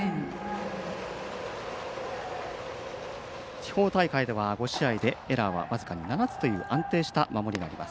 地方大会では、５試合でエラーは僅かに７つという安定した守りがあります。